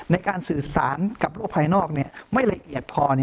ในการสื่อสารกับโลกภายนอกไม่ละเอียดพอ